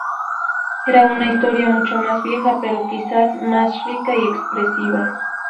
Era una historia mucho más vieja, pero quizás más rica y expresiva.